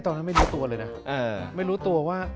ตอนนั้นไม่รู้ตัวเลยนะไม่รู้ตัวว่า